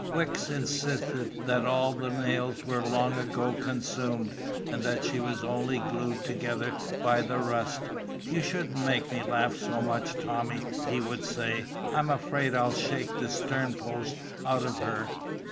Wicks insisted that all the nails were long ago consumed, and that she was only glued together by the rust. "You shouldn't make me laugh so much, Tommy," he would say. "I'm afraid I'll shake the sternpost out of her."